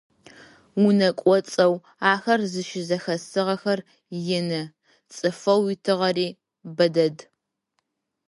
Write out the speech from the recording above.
Унэ кӏоцӏэу хасэр зыщызэхэсыгъэр ины, цӏыфэу итыгъэри бэ дэд.